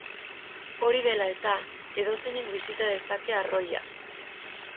Hori dela eta, edozeinek bisita dezake arroila.